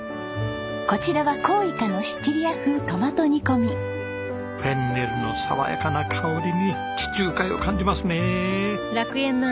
こちらは甲イカのシチリア風トマト煮込み。フェンネルの爽やかな香りに地中海を感じますね。